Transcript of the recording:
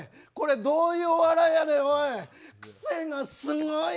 どういうお笑いやねん、おい！